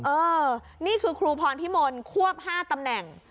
เออนี่คือครูพรพิมลควบ๕ตำแหน่ง